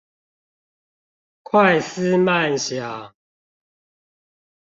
快思慢想